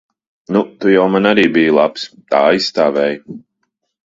Nu, tu jau man arī biji labs. Tā aizstāvēji.